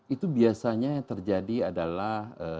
itu biasanya terjadi adalah